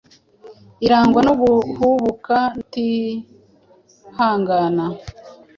irangwa no guhubuka no kutihangana.